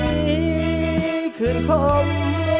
ไม่ใช้ครับไม่ใช้ครับ